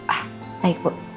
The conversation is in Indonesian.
ah baik bu